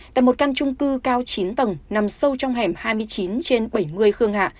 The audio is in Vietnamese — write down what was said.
tại một căn trung cư cao chín tầng nằm sâu trong hẻm hai mươi chín trên bảy mươi khương hạ